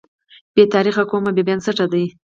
بې تاریخه قوم بې بنسټه دی.